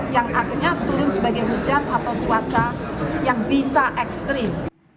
yang akhirnya turun sebagai hujan atau cuaca yang bisa ekstrim